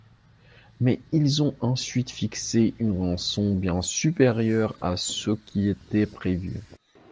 Mais ils ont ensuite fixé une rançon bien supérieure à ce qui était prévu.